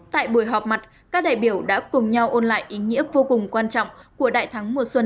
tại buổi họp mặt các đại biểu đã cùng nhau ôn lại ý nghĩa vô cùng quan trọng của đại thắng mùa xuân